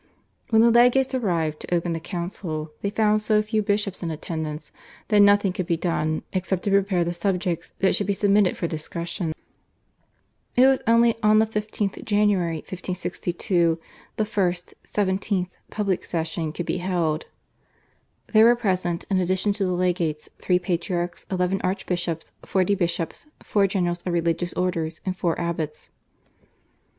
When the legates arrived to open the council they found so few bishops in attendance that nothing could be done except to prepare the subjects that should be submitted for discussion. It was only on the 15th January 1562 the first (17th) public session could be held. There were present in addition to the legates, three patriarchs, eleven archbishops, forty bishops, four generals of religious orders, and four abbots.